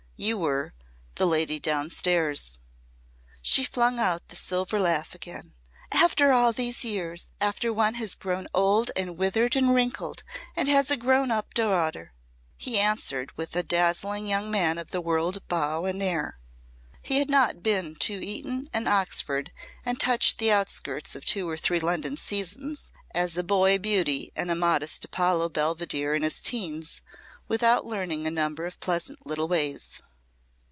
You were The Lady Downstairs." She flung out the silver laugh again. "After all these years! After one has grown old and withered and wrinkled and has a grown up daughter." He answered with a dazzling young man of the world bow and air. He had not been to Eton and Oxford and touched the outskirts of two or three London seasons, as a boy beauty and a modest Apollo Belvidere in his teens, without learning a number of pleasant little ways.